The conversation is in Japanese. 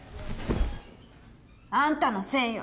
あんたのせいよ